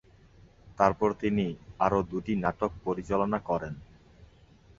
তারপর তিনি আরো দুটি নাটক পরিচালনা করেন।